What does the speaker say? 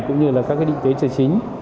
cũng như là các cái định tế trợ chính